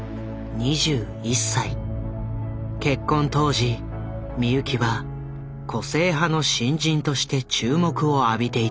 結婚当時美由紀は個性派の新人として注目を浴びていた。